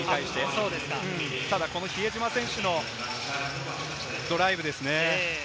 ただ、この比江島選手のドライブですね。